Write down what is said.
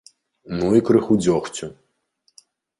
Ну і крыху дзёгцю!